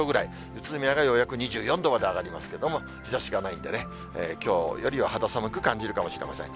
宇都宮がようやく２４度まで上がりますけれども、日ざしがないんでね、きょうよりは肌寒く感じるかもしれません。